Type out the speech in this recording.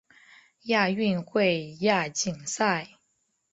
亚运会亚锦赛